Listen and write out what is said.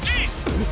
えっ？